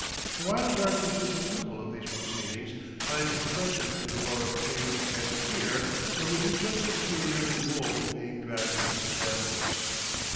The wild darkey's disapproval of these proceedings finds expression in a roar of pain and fear that would do justice to a yearling bull being dragged into the shambles.